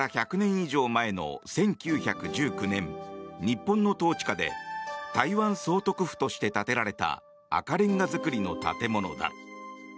以上前の１９１９年日本の統治下で台湾総督府として建てられた赤レンガ造りの建物だ。